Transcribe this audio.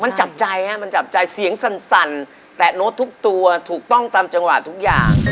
มันจับใจฮะมันจับใจเสียงสั่นแตะโน้ตทุกตัวถูกต้องตามจังหวะทุกอย่าง